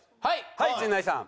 はい陣内さん。